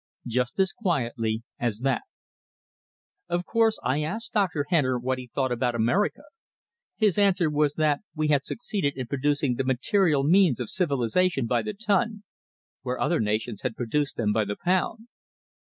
Just as quietly as that. Of course I asked Dr. Henner what he thought about America. His answer was that we had succeeded in producing the material means of civilization by the ton, where other nations had produced them by the pound.